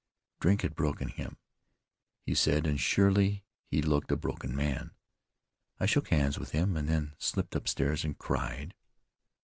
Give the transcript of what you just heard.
Drink had broken him, he said, and surely he looked 'a broken man. I shook hands with him, and then slipped upstairs and cried."